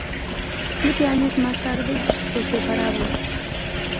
Siete años más tarde se separaban.